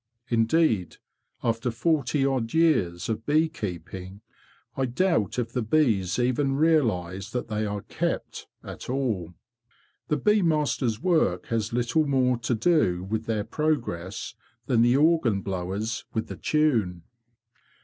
Indeed, after forty odd years of bee keeping, I doubt if the bees even realise that they are ' kept ' at all. The bee master's work has little more to do with their progress than the organ blower's with the tune."